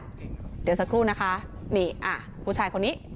เดี๋ยวสักครู่นะคะนี่ผู้ชายคนนี้